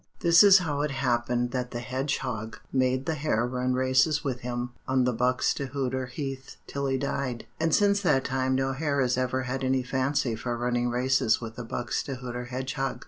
This is how it happened that the hedgehog made the hare run races with him on the Buxtehuder heath till he died, and since that time no hare has ever had any fancy for running races with a Buxtehuder hedgehog.